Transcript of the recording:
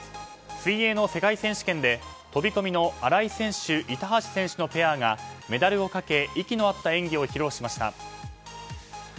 水泳の世界選手権で飛び込みの荒井選手、板橋選手のペアがメダルをかけ息の合った演技を披露しました。